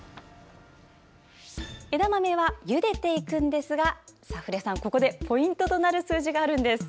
枝豆はゆでていくんですが古谷さん、ここでポイントとなる数字があるんです。